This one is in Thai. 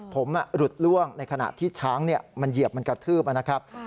ผมหลุดล่วงในขณะที่ช้างมันเหยียบมันกระทืบนะครับ